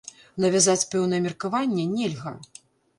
Навязаць пэўнае меркаванне нельга.